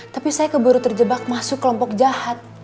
tapi saya keburu terjebak masuk kelompok jahat